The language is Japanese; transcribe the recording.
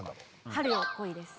「春よ、来い」です